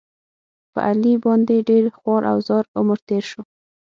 په علي باندې ډېر خوار او زار عمر تېر شو.